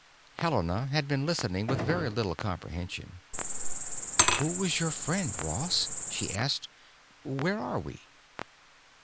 Helena had been listening with very little comprehension. "Who was your friend, Ross?" she asked. "Where are we?"